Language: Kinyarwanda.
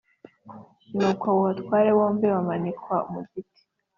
Nuko abo batware bombi bamanikwa ku giti